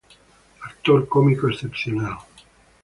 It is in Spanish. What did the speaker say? Actor cómico excepcional.